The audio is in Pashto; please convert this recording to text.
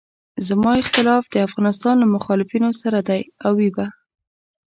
زما اختلاف د افغانستان له مخالفینو سره دی او وي به.